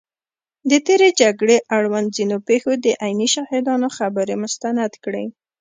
د تېرې جګړې اړوند ځینو پېښو د عیني شاهدانو خبرې مستند کړي